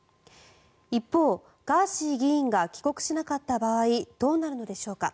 一方、ガーシー議員が帰国しなかった場合どうなるのでしょうか。